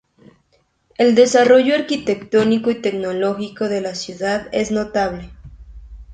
El desarrollo arquitectónico y tecnológico de la ciudad es notable.